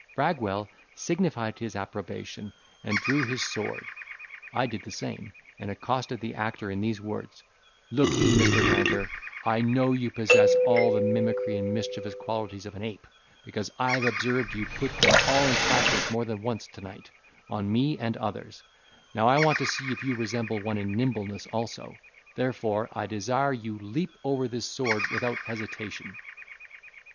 Bragwell signified his approbation, and drew his sword; I did the same, and accosted the actor in these words: "Lookee, Mr. Ranter; I know you possess all the mimicry and mischievous qualities of an ape, because I have observed you put them all in practice more than once to night, on me and others; now I want to see if you resemble one in nimbleness also; therefore, I desire you leap over this sword without hesitation."